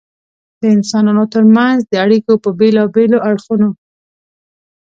د انسانانو تر منځ د اړیکو په بېلابېلو اړخونو.